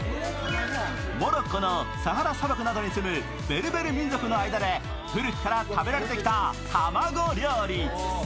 モロッコのサハラ砂漠などに住むベルベル民族の間で古くから食べられてきた卵料理。